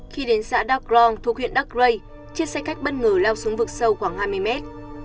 khi đến xã dark long thuộc huyện darkray chiếc xe khách bất ngờ lao xuống vực sâu khoảng hai mươi mét